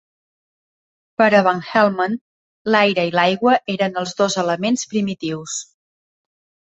Per a Van Helmont, l'aire i l'aigua eren els dos elements primitius.